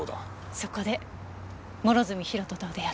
そこで諸角博人と出会った。